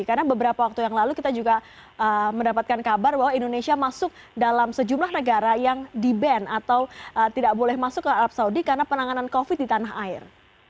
karena beberapa waktu yang lalu kita juga mendapatkan kabar bahwa indonesia masuk dalam sejumlah negara yang di ban atau tidak boleh masuk ke arab saudi karena penanganan covid di tanah air